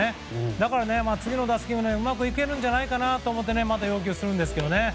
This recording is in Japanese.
だから、次の打席でうまくいけるのではと思ってまた要求するんですけどね。